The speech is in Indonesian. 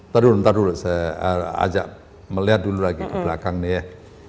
tapi ntar dulu saya ajak melihat dulu lagi ke belakang nih ya